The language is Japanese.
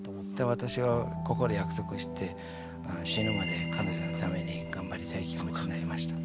私はここで約束して死ぬまで彼女のためにがんばりたい気持ちになりました。